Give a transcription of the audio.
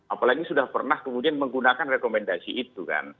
apalagi sudah pernah kemudian menggunakan rekomendasi itu kan